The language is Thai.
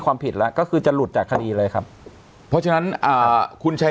ความผิดแล้วก็คือจะหลุดจากคดีเลยครับเพราะฉะนั้นอ่าคุณชัย